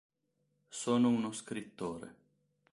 Sono uno scrittore.